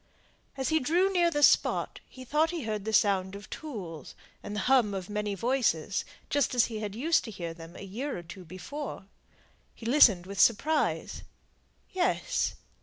As he drew near the spot he thought he heard the sound of tools, and the hum of many voices, just as he used to hear them a year or two before. He listened with surprise. Yes!